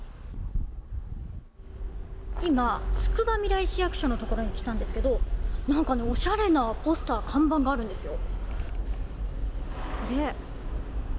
今、つくばみらい市役所のところに来たんですけれどおしゃれなポスター看板があるんですよ。